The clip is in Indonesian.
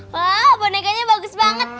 wah bonekanya bagus banget